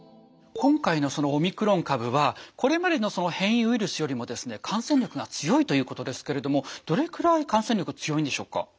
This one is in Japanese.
今回のそのオミクロン株はこれまでのその変異ウイルスよりも感染力が強いということですけれどもどれくらい感染力が強いんでしょうか？